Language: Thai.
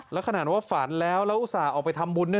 แล้วขนาดว่าฝันแล้วแล้วอุตส่าห์ออกไปทำบุญ